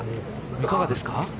いかがですか。